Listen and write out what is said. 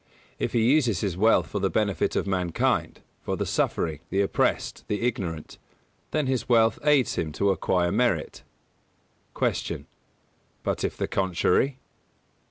If he uses his wealth for the benefit of mankind for the suffering, the oppressed, the ignorant then his wealth aids him to acquire merit. 215. Q. But if the contrary?